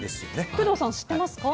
工藤さん、知ってますか？